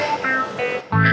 sampai jumpa lagi